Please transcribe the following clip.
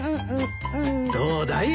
どうだい？